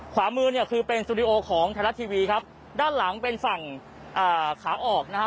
ขวามือเนี่ยคือเป็นสตูดิโอของไทยรัฐทีวีครับด้านหลังเป็นฝั่งอ่าขาออกนะฮะ